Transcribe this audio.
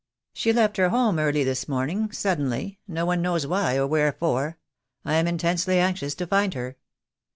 "She left her home early this morning — suddenly — no one knows why or wherefore. I am intensely anxious to find her."